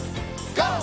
ＧＯ！